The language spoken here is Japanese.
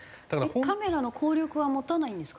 カメラの効力は持たないんですか？